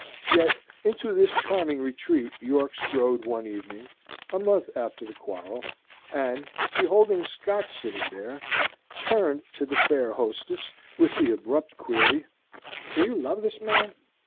Yet into this charming retreat York strode one evening, a month after the quarrel, and, beholding Scott sitting there, turned to the fair hostess with the abrupt query, "Do you love this man?"